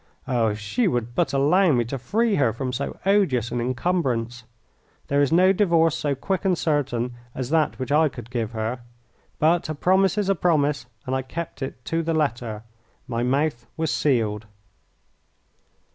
Oh, if she would but allow me to free her from so odious an encumbrance! There is no divorce so quick and certain as that which I could give her. But a promise is a promise, and I kept it to the letter. My mouth was sealed.